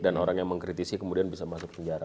dan orang yang mengkritisi kemudian bisa masuk penjara